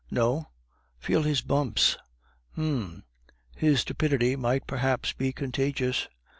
"No; feel his bumps." "Hm! his stupidity might perhaps be contagious."